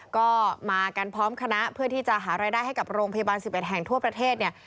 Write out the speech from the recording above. ก็มากันพร้อมคณะเพื่อที่จะหารายได้ให้กับโรงพยาบาล๑๑แห่งทั่วประเทศเนี่ย